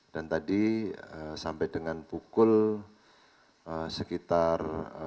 dan tadi sampai dengan pukul sekitar